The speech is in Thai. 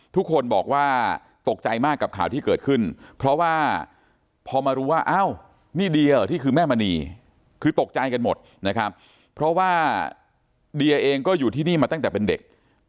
ทุกคนบอกว่าตกใจมากกับข่าวที่เกิดขึ้นเพราะว่าพอมารู้ว่าอ้าวนี่เดียที่คือแม่มณีคือตกใจกันหมดนะครับเพราะว่าเดียเองก็อยู่ที่นี่มาตั้งแต่เป็นเด็ก